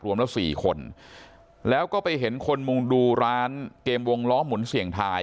รวมแล้วสี่คนแล้วก็ไปเห็นคนมุงดูร้านเกมวงล้อหมุนเสี่ยงทาย